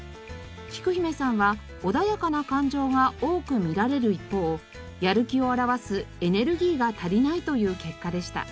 きく姫さんは穏やかな感情が多く見られる一方やる気を表すエネルギーが足りないという結果でした。